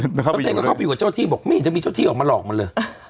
แล้วตัวเองก็เข้าไปอยู่กับเจ้าที่บอกไม่เห็นจะมีเจ้าที่ออกมาหลอกมันเลย